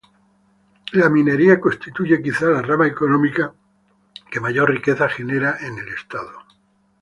La minería constituye quizá la rama económica que mayor riqueza genera en el estado.